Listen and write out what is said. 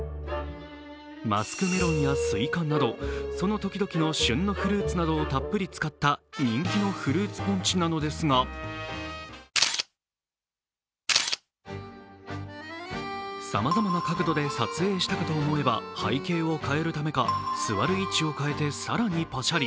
マスクメロンやスイカなど、その時々の旬のフルーツをたっぷり使った人気のフルーツポンチなのですが、さまざまな角度で撮影したかと思えば背景を変えるためか座る位置を変えて更にパシャリ。